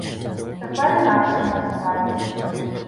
Тепер інакше називаюся.